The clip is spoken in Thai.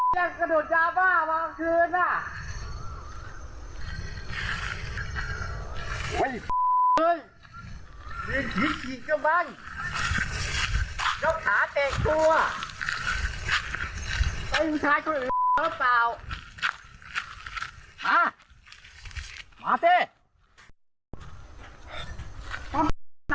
ยังกระโดดยาบ้าบางคืนน่ะ